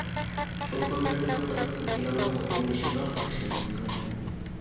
چولپانلىرىمىزنىڭ بىر قىسىم ئېلانلارغا ئويلىشىپراق چىقىشىنى ئۈمىد قىلىمەن.